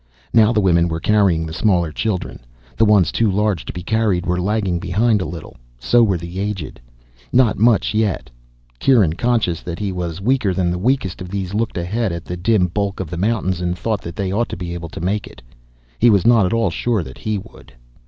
Now the women were carrying the smaller children. The ones too large to be carried were lagging behind a little. So were the aged. Not much, yet. Kieran, conscious that he was weaker than the weakest of these, looked ahead at the dim bulk of the mountains and thought that they ought to be able to make it. He was not at all sure that he would.